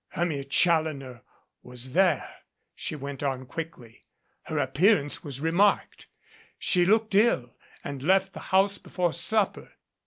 Hermia Challoner was there," she went on quickly. "Her appear ance was remarked. She looked ill and left the house be fore supper.